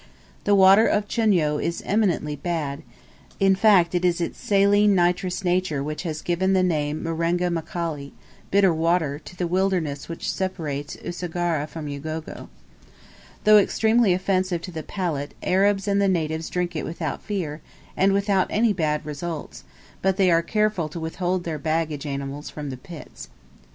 The water of Chunyo is eminently bad, in fact it is its saline nitrous nature which has given the name Marenga Mkali bitter water to the wilderness which separates Usagara from Ugogo. Though extremely offensive to the palate, Arabs and the natives drink it without fear, and without any bad results; but they are careful to withhold their baggage animals from the pits.